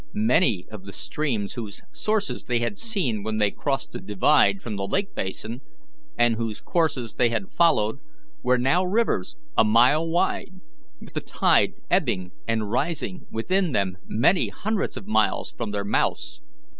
Many of the streams whose sources they had seen when they crossed the divide from the lake basin, and whose courses they had followed, were now rivers a mile wide, with the tide ebbing and rising within them many hundreds of miles from their mouths.